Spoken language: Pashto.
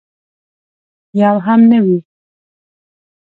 یو هم نه وي.